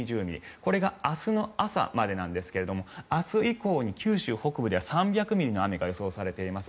これが明日の朝までなんですが明日以降に九州北部では３００ミリの雨が予想されています。